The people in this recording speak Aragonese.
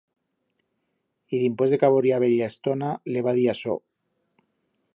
Y dimpués de caboriar bella estona, le va dir asó.